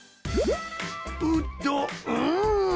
うどん！